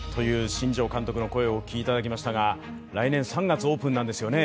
新庄監督の声をお聞きいただきましたが、来年３月オープンなんですよね